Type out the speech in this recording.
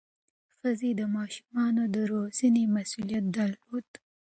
ښځې د ماشومانو د روزنې مسؤلیت درلود.